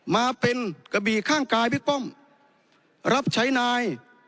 มาเป็นกระบี่ข้างกายบิ๊กป้อมรับใช้นาย